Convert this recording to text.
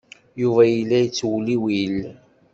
Yuba yella yettewliwil.